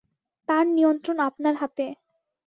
তার নিয়ন্ত্রণ আপনার হাতে।